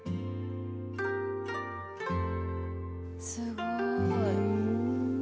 すごい。